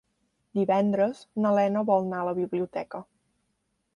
Divendres na Lena vol anar a la biblioteca.